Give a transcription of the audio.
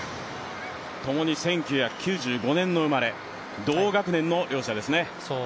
ともに１９９５年生まれ、同学年の両者ですね。